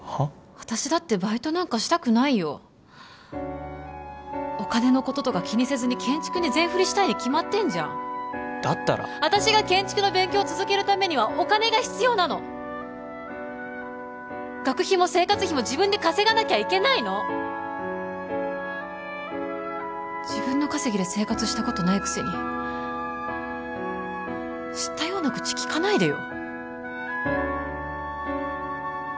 私だってバイトなんかしたくないよお金のこととか気にせずに建築に全フリしたいに決まってんじゃんだったら私が建築の勉強続けるためにはお金が必要なの学費も生活費も自分で稼がなきゃいけないの自分の稼ぎで生活したことないくせに知ったような口きかないでよ